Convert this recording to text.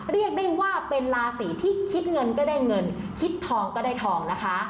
เรียกได้ว่าเป็นราศีที่คิดเงินก็ได้เงินคิดทองก็ได้ทองนะคะ